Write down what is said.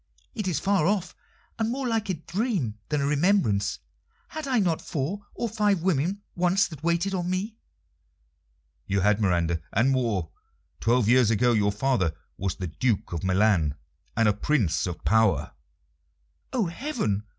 "It is far off, and more like a dream than a remembrance. Had I not four or five women once that waited on me?" "You had, Miranda, and more. Twelve years ago your father was the Duke of Milan, and a Prince of power." "Oh, heaven!